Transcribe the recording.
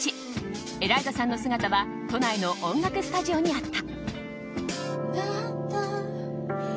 エライザさんの姿は都内の音楽スタジオにあった。